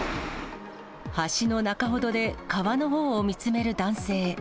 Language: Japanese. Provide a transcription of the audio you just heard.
橋の中ほどで川のほうを見つめる男性。